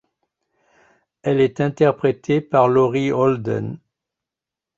Elle est interprétée par Laurie Holden.